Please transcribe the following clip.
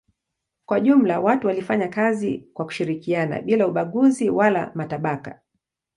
Kwa jumla watu walifanya kazi kwa kushirikiana bila ubaguzi wala matabaka.